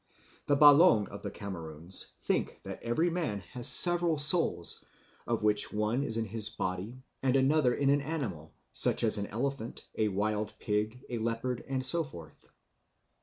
The Balong of the Cameroons think that every man has several souls, of which one is in his body and another in an animal, such as an elephant, a wild pig, a leopard, and so forth.